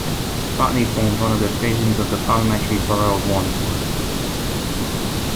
Putney formed one of the divisions of the Parliamentary Borough of Wandsworth.